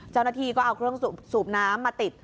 เจ้าหน้าที่ก็เอาเครื่องสูบน้ำมาติด